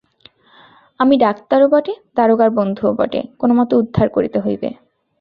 আমি ডাক্তারও বটে, দারোগার বন্ধুও বটে, কোনোমতে উদ্ধার করিতে হইবে।